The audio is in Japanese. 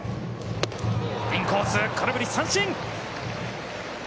インコース、空振り三振。